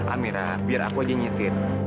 amira biar aku aja nyetir